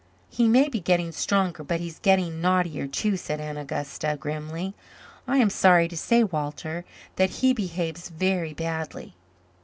"He may be getting stronger but he's getting naughtier, too," said Aunt Augusta, grimly. "I am sorry to say, Walter, that he behaves very badly."